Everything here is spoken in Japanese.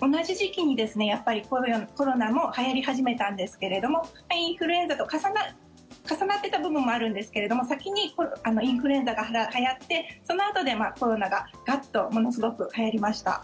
同じ時期にコロナもはやり始めたんですけれどもインフルエンザと重なってた部分もあるんですけど先にインフルエンザがはやってそのあとでコロナがガッとものすごくはやりました。